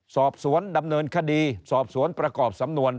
สอบสวนดำเนินคดีสอบสวนประกอบสำนวน